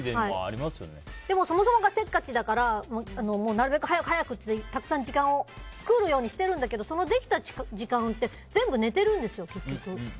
でも、そもそもがせっかちだからなるべく早くたくさん時間を作るようにしてるんだけどそのできた時間って全部寝てるんですよ、結局。